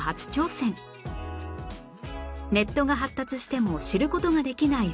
ネットが発達しても知る事ができない